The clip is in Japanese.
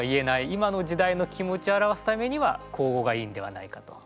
今の時代の気持ちを表すためには口語がいいんではないかと。